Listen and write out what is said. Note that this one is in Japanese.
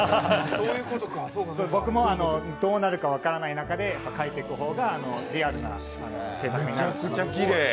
僕もどうなるか分からない中で描いていく方がリアルな制作になるので。